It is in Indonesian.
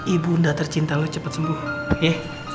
ibu unda tercinta lo cepet sembuh ye